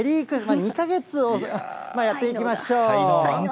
２か月遅い、まあ、やっていきましょう。